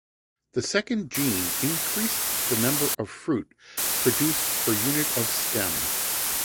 The second gene increased the number of fruit produced per unit of stem.